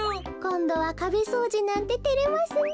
こんどはかべそうじなんててれますねえ。